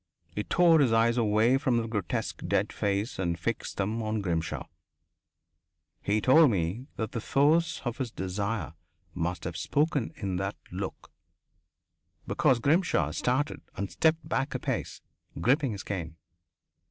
He tore his eyes away from the grotesque dead face and fixed them on Grimshaw. He told me that the force of his desire must have spoken in that look because Grimshaw started and stepped back a pace, gripping his cane.